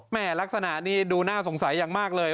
ลักษณะนี้ดูน่าสงสัยอย่างมากเลย